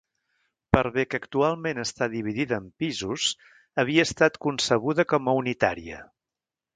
Per bé que actualment està dividida en pisos, havia estat concebuda com a unitària.